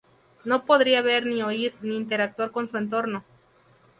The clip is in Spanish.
No podría ver ni oír ni interactuar con su entorno.